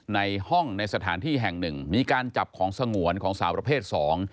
ในห้องในสถานที่แห่งหนึ่งมีการจับของสงวนของสาวประเภทสอง